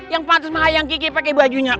yang patut sama hayang kiki pakai bajunya